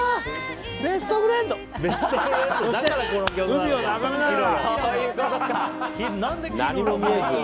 海を眺めながら。